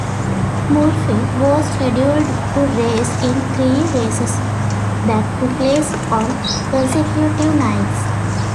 Murphy was scheduled to race in three races that took place on consecutive nights.